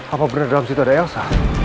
apa benar dalam situ ada elsa